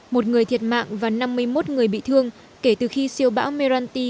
một người thiệt mạng và năm mươi một người bị thương kể từ khi siêu bão meranti